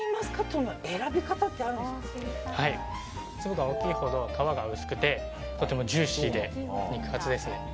粒が大きいほど皮が薄くてとてもジューシーで肉厚ですね。